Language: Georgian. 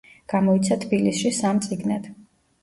გამოიცა თბილისში სამ წიგნად.